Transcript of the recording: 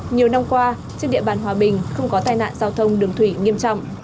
nhiều năm qua trên địa bàn hòa bình không có tai nạn giao thông đường thủy nghiêm trọng